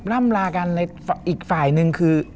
ร่ำลากันในอีกฝ่ายนึงคือ